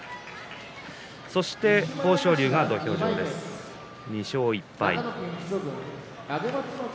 そして豊昇龍が、土俵上です２勝１敗。